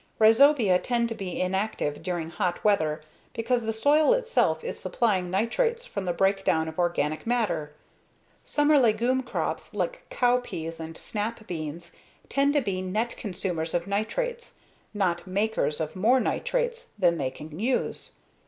Rhizobia tend to be inactive during hot weather because the soil itself is supplying nitrates from the breakdown of organic matter. Summer legume crops, like cowpeas and snap beans, tend to be net consumers of nitrates, not makers of more nitrates than they can use.